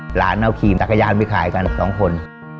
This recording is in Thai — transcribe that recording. หลานเอาขี่จักรยานไปขายกันสองคน